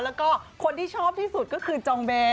แล้วก็คนที่ชอบที่สุดก็คือจองแบร์